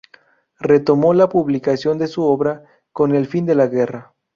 Retomó la publicación de su obra con el fin de la Guerra.